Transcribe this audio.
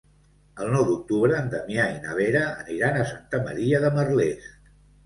El nou d'octubre na Damià i na Vera aniran a Santa Maria de Merlès.